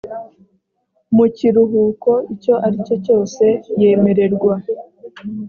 mu kiruhuko icyo ari cyo cyose yemererwa